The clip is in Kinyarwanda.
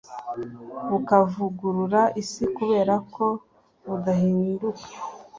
bukavugurura isi kubera ko budahinduka,